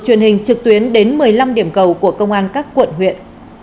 truyền hình trực tuyến đến một mươi năm điểm cầu của công an các quận huyện